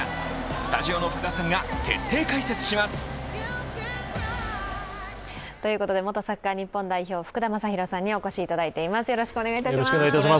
スタジオの福田さんが徹底解説します。ということで元日本サッカー代表、福田正博さんにお越しいただいています。